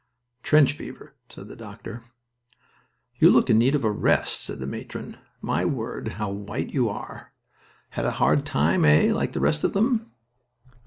"Trench fever," said the doctor. "You look in need of a rest," said the matron. "My word, how white you are! Had a hard time, eh, like the rest of them?"